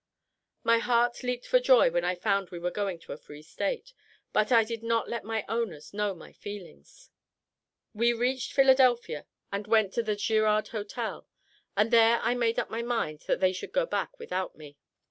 My heart leaped for joy when I found we were going to a free State; but I did not let my owners know my feelings. "We reached Philadelphia and went to the Girard Hotel, and there I made up my mind that they should go back without me.